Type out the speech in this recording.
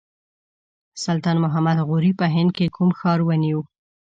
سلطان محمد غوري په هند کې کوم ښار ونیو.